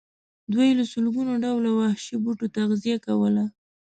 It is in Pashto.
دوی له لسګونو ډوله وحشي بوټو تغذیه کوله.